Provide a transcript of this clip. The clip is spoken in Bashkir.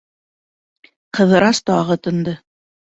Ҡыҙырас тағы тынды.